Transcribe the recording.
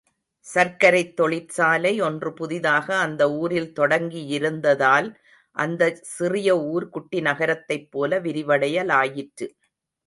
சர்க்கரைத் தொழிற்சாலை ஒன்று புதிதாக அந்த ஊரில் தொடங்கியிருந்ததால், அந்த சிறிய ஊர் குட்டி நகரத்தைப் போல விரிவடையலாயிற்று.